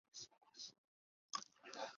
孔循奉命将赵虔等全部族诛。